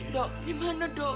dok dimana dok